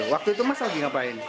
waktu itu mas lagi ngapain